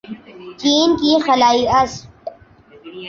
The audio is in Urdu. چین کے خلائی اسٹ